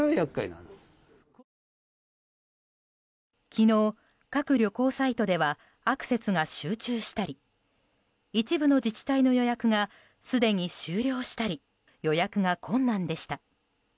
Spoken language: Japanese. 昨日、各旅行サイトではアクセスが集中したり一部の自治体の予約がすでに終了したり予約が困難でした。